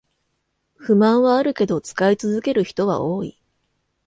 不満はあるけど使い続ける人は多い